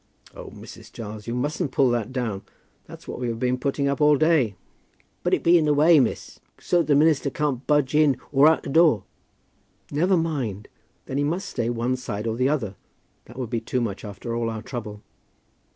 Oh, Mrs. Giles, you mustn't pull that down. That's what we have been putting up all day." "But it be in the way, miss; so that the minister can't budge in or out o' the door." "Never mind. Then he must stay one side or the other. That would be too much after all our trouble!"